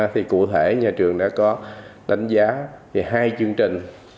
thì cụ thể nhà trường đã có đánh giá về hai chương trình